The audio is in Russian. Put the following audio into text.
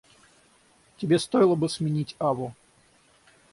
Тебе стоило бы сменить аву.